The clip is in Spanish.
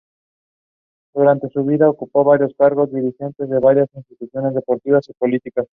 Durante su vida ocupó varios cargos dirigenciales de varias instituciones deportivas y políticas.